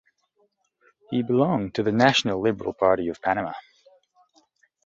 He belonged to the National Liberal Party of Panama.